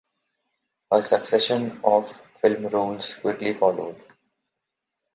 A succession of film roles quickly followed.